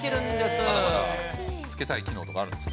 まだまだつけたいきのうとかあるんですか？